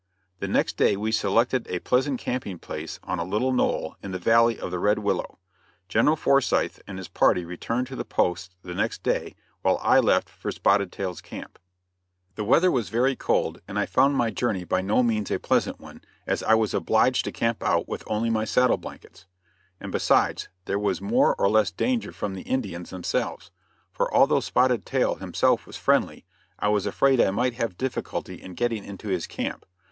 The next day we selected a pleasant camping place on a little knoll in the valley of the Red Willow. General Forsyth and his party returned to the post the next day while I left for Spotted Tail's camp. The weather was very cold and I found my journey by no means a pleasant one as I was obliged to camp out with only my saddle blankets; and besides, there was more or less danger from the Indians themselves; for, although Spotted Tail himself was friendly, I was afraid I might have difficulty in getting into his camp.